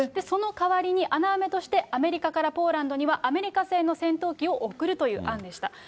その代わりに、穴埋めとしてアメリカからポーランドにはアメリカ製の戦闘機を送るという案でした。